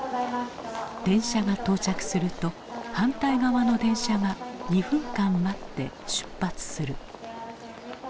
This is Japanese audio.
電車が到着すると反対側の電車が２分間待って出発する。